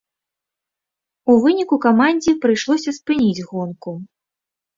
У выніку камандзе прыйшлося спыніць гонку.